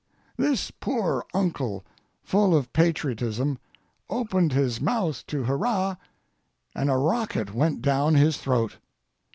This poor uncle, full of patriotism, opened his mouth to hurrah, and a rocket went down his throat.